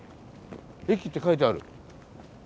「駅」って書いてある。